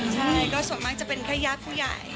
ใช่ก็ส่วนมากจะเป็นแค่ญาติผู้ใหญ่